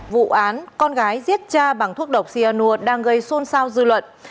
vụ án con gái giết cha bằng thuốc độc cyanur đang gây xôn xao dư luận